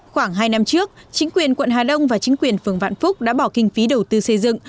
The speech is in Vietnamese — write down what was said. khoảng hai năm trước chính quyền quận hà đông và chính quyền phường vạn phúc đã bỏ kinh phí đầu tư xây dựng